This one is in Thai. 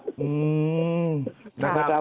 อืมนะครับ